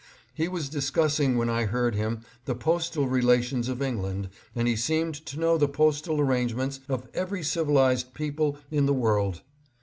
He was discussing when I heard him the postal relations of England, and he seemed to know the postal arrangements of every civilized people in the world.